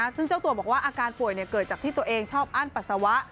ซึ่งเจ้าตัวบอกว่าอาการป่วยเกิดจากที่ตัวเองชอบอั้นปัสสาวะ